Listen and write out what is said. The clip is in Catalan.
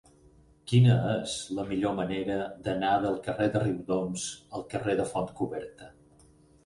Quina és la millor manera d'anar del carrer de Riudoms al carrer de Fontcoberta?